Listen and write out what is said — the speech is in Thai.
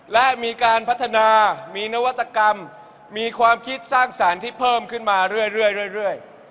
และมีการพัฒนามีนวัตกรรมมีความคิดสร้างสรรค์ที่เพิ่มขึ้นมาเรื่อย